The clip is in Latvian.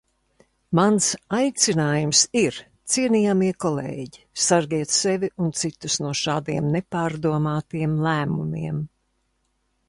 Mans aicinājums ir: cienījamie kolēģi, sargiet sevi un citus no šādiem nepārdomātiem lēmumiem!